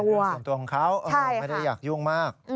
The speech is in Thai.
เรื่องส่วนตัวของเขาไม่ได้อยากยุ่งมาก